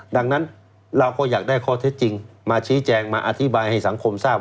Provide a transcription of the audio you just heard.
ดังนั้นเราก็อยากได้ข้อเท็จจริงมาชี้แจงมาอธิบายให้สังคมทราบ